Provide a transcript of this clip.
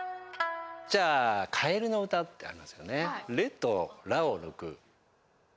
じゃあかえるの歌ってありますよね。